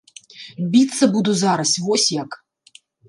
Біцца буду зараз, вось як!